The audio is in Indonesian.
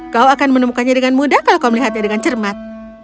kau akan menemukannya dengan mudah kalau kau melihatnya dengan cermat